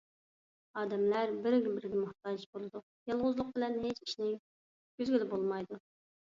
ئادەملەر بىر - بىرىگە موھتاج بولىدۇ. يالغۇزلۇق بىلەن ھېچ ئىشنى پۈتكۈزگىلى بولمايدۇ.